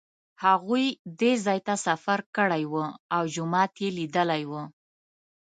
هغوی دې ځای ته سفر کړی و او جومات یې لیدلی و.